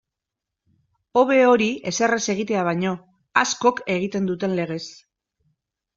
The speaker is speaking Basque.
Hobe hori ezer ez egitea baino, askok egiten duten legez.